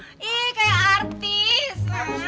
ih kayak artis